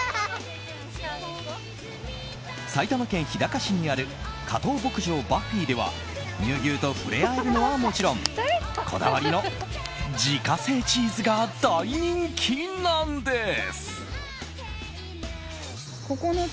埼玉県日高市にある加藤牧場バッフィでは乳牛と触れ合えるのはもちろんこだわりの自家製チーズが大人気なんです。